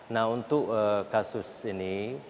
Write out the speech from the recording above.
nah untuk kasus ini